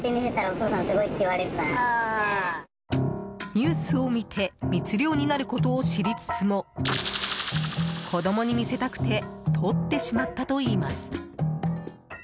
ニュースを見て密漁になることを知りつつも子供に見せたくてとってしまったといいます。